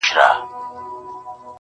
مُلا دي لولي زه سلګۍ درته وهمه!